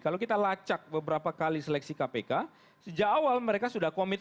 kalau kita lacak beberapa kali seleksi kpk sejak awal mereka sudah komit